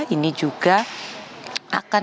ini juga akan